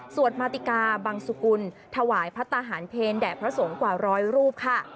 มาติกาบังสุกุลถวายพระตาหารเพลแด่พระสงฆ์กว่าร้อยรูปค่ะ